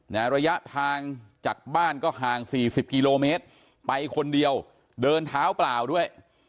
ระยะทางจากบ้านก็ห่างสี่สิบกิโลเมตรไปคนเดียวเดินเท้าเปล่าด้วย